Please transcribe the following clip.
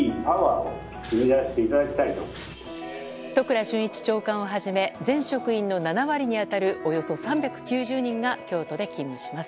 都倉俊一長官をはじめ全職員の７割に当たるおよそ３９０人が京都で勤務します。